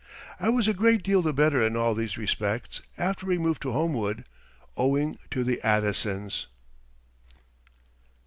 I was a great deal the better in all these respects after we moved to Homewood, owing to the Addisons.